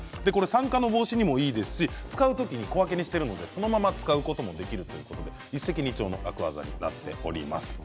酸化の防止にもいいですし使う時に小分けにしているのでそのまま使うこともできるということで一石二鳥の楽ワザになっております。